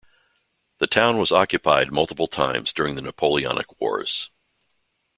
The town was occupied multiple times during the Napoleonic Wars.